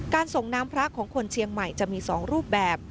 ส่งน้ำพระของคนเชียงใหม่จะมี๒รูปแบบ